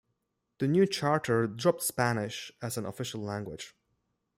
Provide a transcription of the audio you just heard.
The new charter dropped Spanish as an official language.